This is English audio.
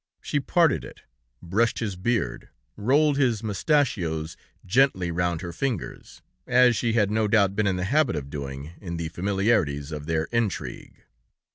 She parted it, brushed his beard, rolled his moustachios gently round her fingers, as she had no doubt been in the habit of doing, in the familiarities of their intrigue.